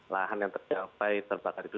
lahan yang tercapai terbakar itu